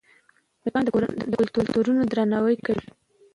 میکا د کلتورونو درناوی کوي.